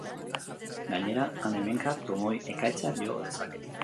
Gainera, han-hemenka trumoi-ekaitzak jo lezake.